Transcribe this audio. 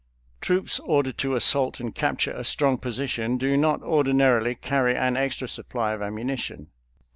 Troops ordered to assault and capture a strong position do not ordinarily carry an extra supply of ammunition.